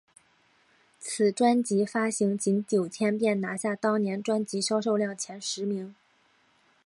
此专辑发行仅九天便拿下当年专辑销售量前十名。